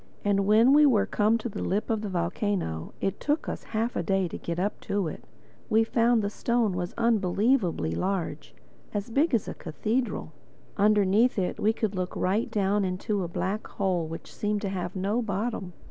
And when we were come to the lip of the volcano (it took us half a day to get up to it) we found the stone was unbelievably large—big as a cathedral. Underneath it we could look right down into a black hole which seemed to have no bottom.